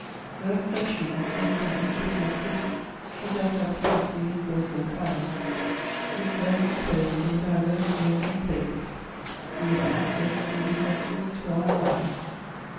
Thus does she, when from individual states She doth abstract the universal kinds; Which then re clothed in divers names and fates Steal access through the senses to our minds.